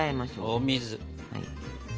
お水。